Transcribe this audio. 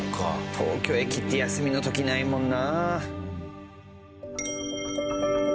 東京駅って休みの時ないもんなあ。